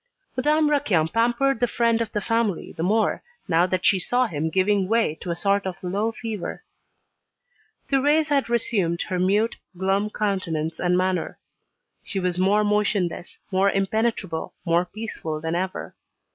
Madame Raquin pampered the friend of the family the more, now that she saw him giving way to a sort of low fever. Thérèse had resumed her mute, glum countenance and manner. She was more motionless, more impenetrable, more peaceful than ever.